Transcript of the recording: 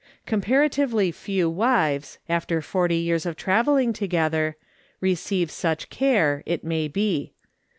Comparatively few wives, after forty years of travel ling together, receive such care it may be.